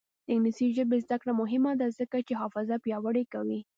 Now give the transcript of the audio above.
د انګلیسي ژبې زده کړه مهمه ده ځکه چې حافظه پیاوړې کوي.